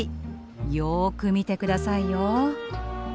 よく見て下さいよ。